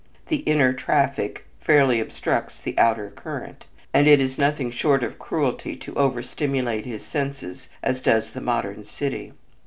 "The inner traffic fairly obstructs the outer current," and it is nothing short of cruelty to over stimulate his senses as does the modern city.